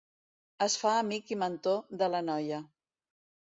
Es fa amic i mentor de la noia.